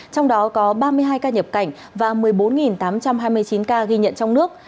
trong đó có ba mươi hai ca nhập cảnh và một mươi bốn tám trăm hai mươi chín ca ghi nhận trong nước